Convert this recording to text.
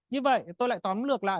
như vậy tôi lại tóm lược lại